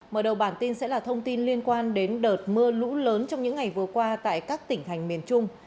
mở đầu bản tin sẽ là thông tin liên quan đến đợt mưa lũ lớn trong những ngày vừa qua tại các tỉnh thành miền trung